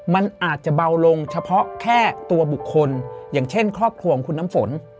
มันอาจจะเบาลงเฉพาะแค่ตัวบุคคลอย่างเช่นครอบครัวของคุณน้ำฝน